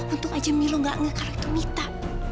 untung aja milo gak ngekara itu mita